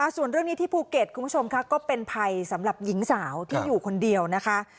ส่วนเรื่องนี้ที่ภูเก็ตคุณผู้ชมค่ะก็เป็นภัยสำหรับหญิงสาวที่อยู่คนเดียวนะคะ